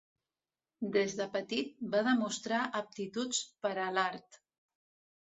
Des de petit va demostrar aptituds per a l'art.